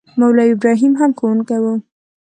مولوي ابراهیم هم ښوونکی وو.